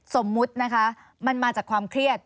สมมุตินะคะมันมาจากความเครียด